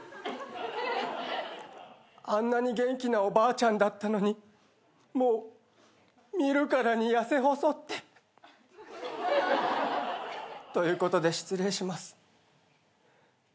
あんなに元気なおばあちゃんだったのにもう見るからに痩せ細って。ということで失礼します。